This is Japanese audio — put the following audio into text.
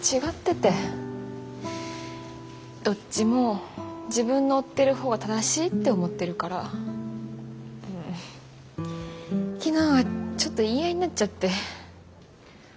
どっちも自分の追ってる方が正しいって思ってるから昨日はちょっと言い合いになっちゃって。